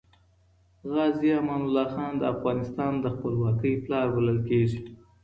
غازي امان الله خان د افغانستان د خپلواکۍ پلار بلل کیږي.